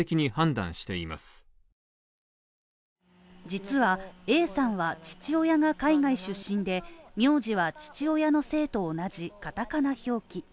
実は、Ａさんは父親が海外出身で名字は父親の姓と同じ片仮名表記。